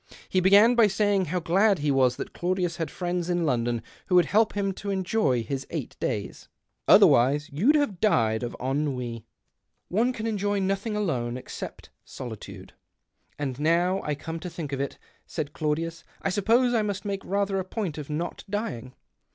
He began by saying how glad he was that Claudius had friends in London who w^ould help him to enjoy his eight days. " Otherwise you'd have died of emmi. THE OCTAVE OF Cr.AUDlUS. 139 One can enjoy nothing alone — except solitude." " And now I come to think of it," said Claudius, " I suppose I must make rather a point of not dying